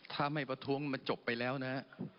ถ้าไม่พทั้งมันจบไปแล้วนะ